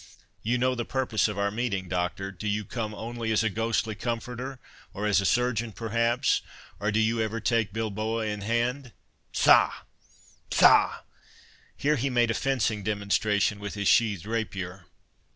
You know the purpose of our meeting, Doctor. Do you come only as a ghostly comforter—or as a surgeon, perhaps—or do you ever take bilboa in hand?—Sa—sa!" Here he made a fencing demonstration with his sheathed rapier.